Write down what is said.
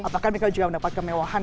apakah mereka juga mendapat kemewahan